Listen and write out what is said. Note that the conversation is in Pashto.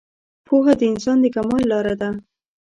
پوهه د انسان د کمال لاره ده